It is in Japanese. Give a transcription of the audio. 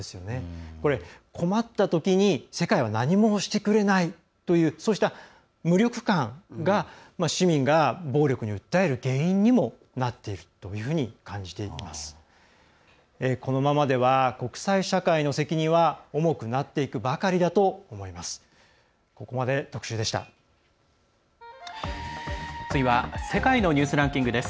このままでは国際社会の責任は重くなっていくばかりだと思います。